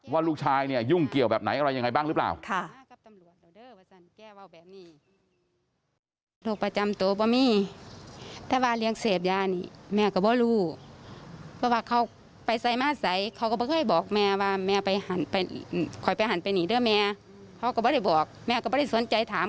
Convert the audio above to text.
ว่าลูกชายเนี่ยยุ่งเกี่ยวแบบไหนอะไรยังไงบ้างหรือเปล่า